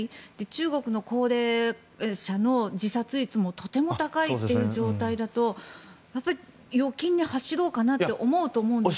中国の高齢者の自殺率もとても高いという状態だと預金に走ろうかなって思うと思うんですけど。